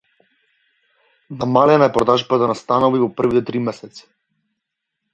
Намалена е продажбата на станови во првите три месеци